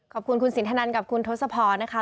ขอบคุณคุณสินทนันกับคุณทศพรนะคะ